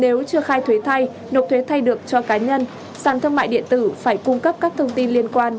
nếu chưa khai thuế thay nộp thuế thay được cho cá nhân sản thương mại điện tử phải cung cấp các thông tin liên quan